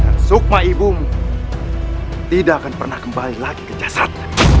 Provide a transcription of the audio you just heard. dan sukma ibumu tidak akan pernah kembali lagi ke jasad